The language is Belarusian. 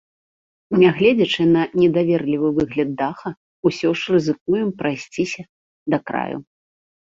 Нягледзячы на недаверлівы выгляд даха, усё ж рызыкуем прайсціся да краю.